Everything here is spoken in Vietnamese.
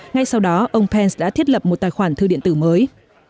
ngay sau đó ông pence đã thiết lập một tài khoản thư điện tử mới